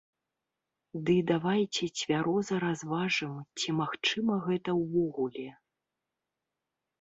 Ды давайце цвяроза разважым, ці магчыма гэта ўвогуле.